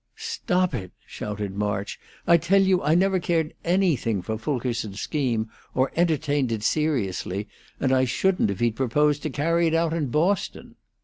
"Stop it!" shouted March. "I tell you I never cared anything for Fulkerson's scheme or entertained it seriously, and I shouldn't if he'd proposed to carry it out in Boston."